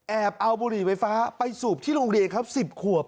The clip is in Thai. เอาบุหรี่ไฟฟ้าไปสูบที่โรงเรียนครับ๑๐ขวบ